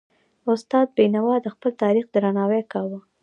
استاد بينوا د خپل تاریخ درناوی کاوه.